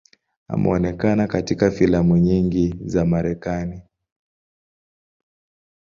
Ameonekana katika filamu nyingi za Marekani.